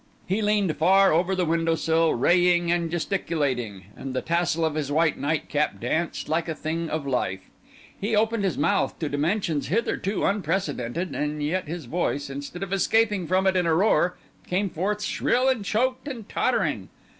He leaned far over the window sill, raving and gesticulating; the tassel of his white night cap danced like a thing of life: he opened his mouth to dimensions hitherto unprecedented, and yet his voice, instead of escaping from it in a roar, came forth shrill and choked and tottering.